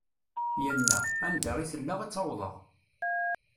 Yenna: Anda i iyi-tella ad tt-awḍeɣ.